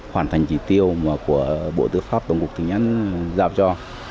hoàn thành chỉ tiêu của bộ tư pháp và cục thính án giao cho